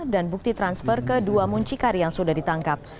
dan bukti transfer ke dua muncikari yang sudah ditangkap